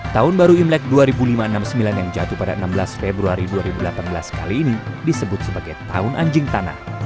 tahun baru imlek dua ribu lima ratus enam puluh sembilan yang jatuh pada enam belas februari dua ribu delapan belas kali ini disebut sebagai tahun anjing tanah